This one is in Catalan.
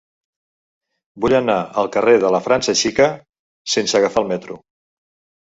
Vull anar al carrer de la França Xica sense agafar el metro.